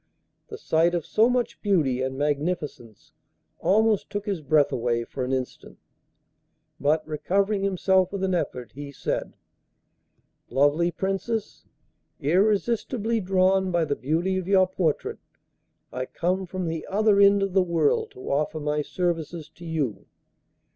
The sight of so much beauty and magnificence almost took his breath away for an instant, but, recovering himself with an effort, he said: 'Lovely Princess, irresistibly drawn by the beauty of your portrait, I come from the other end of the world to offer my services to you.